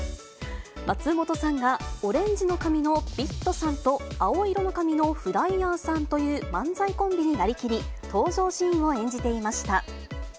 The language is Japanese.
松本さんがオレンジの髪のビットさんと青色の髪のフライヤーさんという漫才コンビになりきり、登場シーンを演じていました。